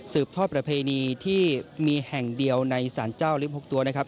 ทอดประเพณีที่มีแห่งเดียวในสารเจ้าลิฟต์๖ตัวนะครับ